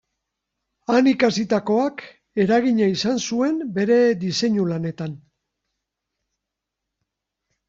Han ikasitakoak eragina izan zuen bere diseinu-lanetan.